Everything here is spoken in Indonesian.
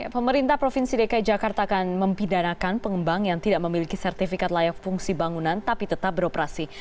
pemerintah provinsi dki jakarta akan mempidanakan pengembang yang tidak memiliki sertifikat layak fungsi bangunan tapi tetap beroperasi